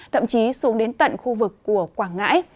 thậm chí xuống đến tận khu vực của quảng ngãi